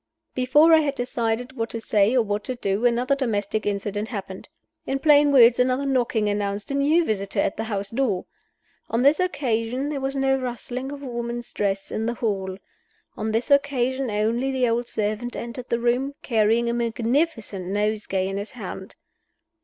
Before I had decided what to say or what to do, another domestic incident happened. In plain words, another knocking announced a new visitor at the house door. On this occasion there was no rustling of a woman's dress in the hall. On this occasion only the old servant entered the room, carrying a magnificent nosegay in his hand.